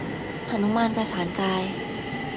หนุมานประสานกาย